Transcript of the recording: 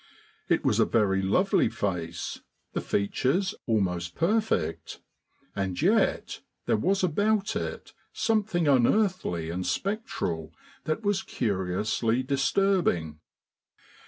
It was a very lovely face, the features almost perfect, and yet there was about it something unearthly and spectral that was curiously disturbing.